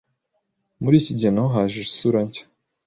Muri iki gihe naho haje isura nshya